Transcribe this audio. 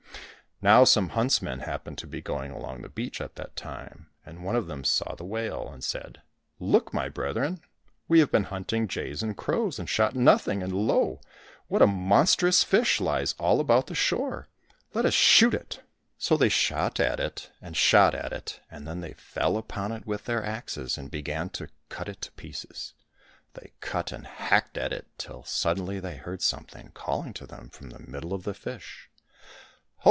Now some huntsmen happened to be going along the beach at that time, and one of them saw the whale, and said, " Look, my brethren ! we have been hunting jays and crows and shot nothing, and lo ! what a monstrous fish lies all about the shore ! Let us shoot it !" So they shot at it and shot at it, and then they fell upon it with their axes and began to cut it to pieces. They cut and hacked at it till suddenly they heard something calling to them from the middle of the fish, " Ho